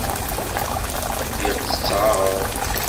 Lliɣ ttetteɣ aɣrum.